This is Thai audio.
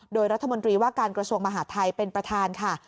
โดยรัฐมนตรีว่าการกระทรวงมหาดไทยเป็นประธานค่ะ